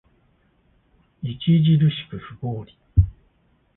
著しく不合理